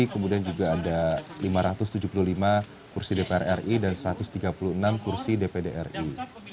kemudian juga ada lima ratus tujuh puluh lima kursi dpr ri dan satu ratus tiga puluh enam kursi dpd ri